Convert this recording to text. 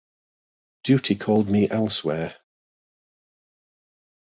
Duty called me elsewhere.